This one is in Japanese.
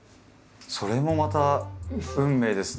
それもまた運命ですね。